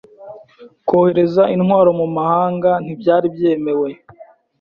Kohereza intwaro mu mahanga ntibyari byemewe.